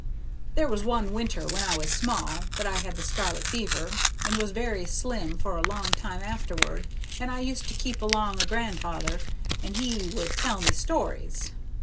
There was one winter when I was small that I had the scarlet fever, and was very slim for a long time afterward, and I used to keep along o' gran'ther, and he would tell me stories.